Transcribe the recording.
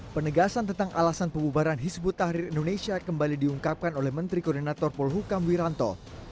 penegasan tentang alasan pembubaran hizbut tahrir indonesia kembali diungkapkan oleh menteri koordinator polhukam wiranto